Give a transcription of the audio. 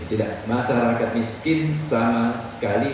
tidak masyarakat miskin sama sekali